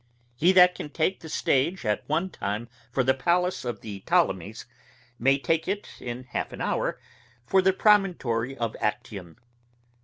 He that can take the stage at one time for the palace of the Ptolemies, may take it in half an hour for the promontory of Actium.